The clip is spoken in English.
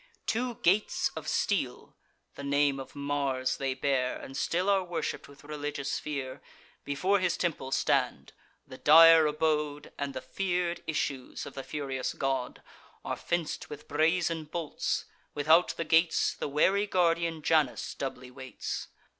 Two gates of steel (the name of Mars they bear, And still are worship'd with religious fear) Before his temple stand: the dire abode, And the fear'd issues of the furious god, Are fenc'd with brazen bolts; without the gates, The wary guardian Janus doubly waits.